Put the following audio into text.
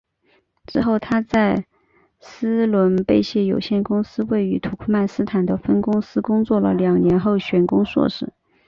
之后她在斯伦贝谢有限公司位于土库曼斯坦的分公司工作了两年后选攻硕士。